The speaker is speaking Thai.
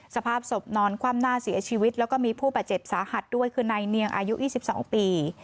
สภาพศพนอนคว่ำหน้าเสียชีวิตแล้วก็มีผู้บาดเจ็บสาหัสด้วยคือนายเนียงอายุ๒๒ปี